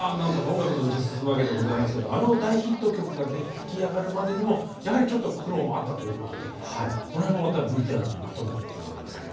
音楽の道に進むわけでございますけどあの大ヒット曲が出来上がるまでにもやはりちょっと苦労もあったということでその辺もまたＶＴＲにまとめてあります。